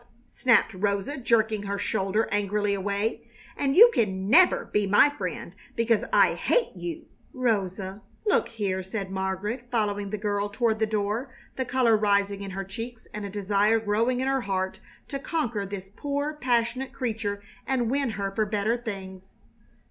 snapped Rosa, jerking her shoulder angrily away; "and you can never be my friend, because I hate you!" "Rosa, look here!" said Margaret, following the girl toward the door, the color rising in her cheeks and a desire growing in her heart to conquer this poor, passionate creature and win her for better things.